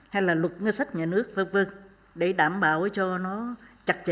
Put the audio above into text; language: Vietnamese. hay là luật ngân sách nhà nước v v để đảm bảo cho nó chặt chẽ